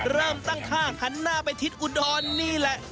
เริ่มตั้งท่าหันหน้าไปทิศอุดรนี่แหละ